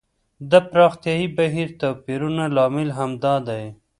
د پراختیايي بهیر توپیرونه لامل همدا دی.